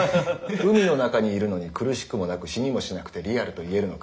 海の中にいるのに苦しくもなく死にもしなくて「リアル」と言えるのか？